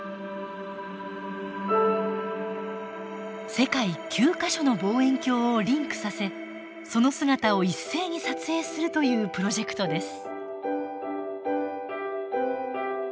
世界９か所の望遠鏡をリンクさせその姿を一斉に撮影するというプロジェクトです。